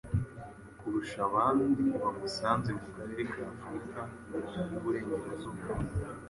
kurusha abandi bamusanze mu karere k'Afurika y'uburengerazuba.